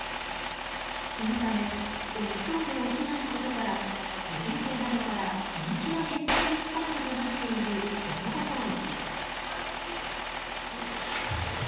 そのため落ちそうで落ちないことから受験生などから人気の験担ぎスポットとなっているゴトゴト石。